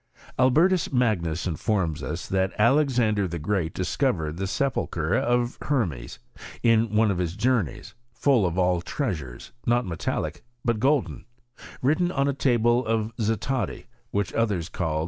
Albertus Magnus informs us, that '' Alexfmder the Great discovered the sepulchre of Hermes, in one of his journeys, full of all treasures, not metallic, but golden, written on a table of zatadi, which others call • Uwito iv.